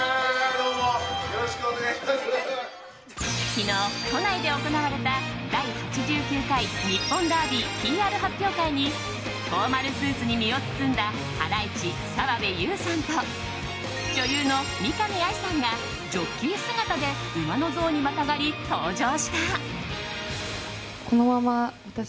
昨日、都内で行われた第８９回日本ダービーＰＲ発表会にフォーマルスーツに身を包んだハライチ澤部佑さんと女優の見上愛さんがジョッキー姿で馬の像にまたがり、登場した。